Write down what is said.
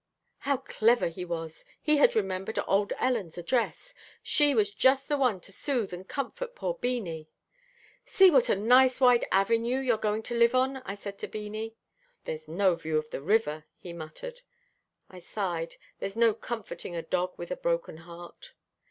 How clever he was. He had remembered old Ellen's address. She was just the one to soothe and comfort poor Beanie. "See what a nice wide avenue you're going to live on," I said to Beanie. "There's no view of the River," he muttered. I sighed. There's no comforting a dog with a broken heart.